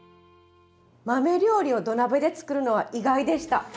豆料理を土鍋で作るのは意外でした。